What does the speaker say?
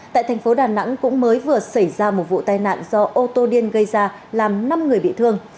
tại thành phố đà nẵng cũng mới vừa xảy ra một vụ tai nạn do ô tô điên gây ra làm năm người bị thương